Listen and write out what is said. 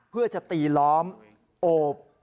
เพื่อจะตีล้อมโอบ